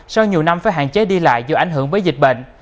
sau nhiều năm phải hạn chế đi lại do ảnh hưởng bởi dịch bệnh